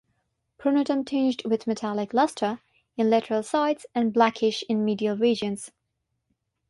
Pronotum tinged with metallic luster in lateral sides and blackish in medial regions.